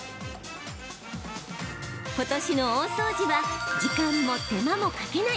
ことしの大掃除は時間も手間もかけない